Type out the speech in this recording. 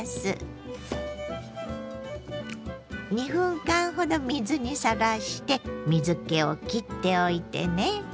２分間ほど水にさらして水けをきっておいてね。